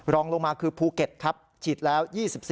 รองลงมาคือภูเก็ตครับฉีดแล้ว๒๔